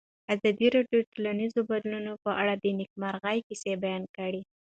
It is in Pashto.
ازادي راډیو د ټولنیز بدلون په اړه د نېکمرغۍ کیسې بیان کړې.